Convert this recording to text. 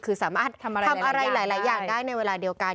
คือสามารถทำอะไรหลายอย่างได้ในเวลาเดียวกัน